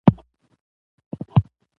واوره د افغانستان یوه بله طبیعي ځانګړتیا ده.